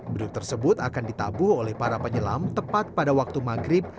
beduk tersebut akan ditabuh oleh para penyelam tepat pada waktu maghrib